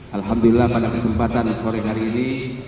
alhamdulillah pada kesempatan sore hari ini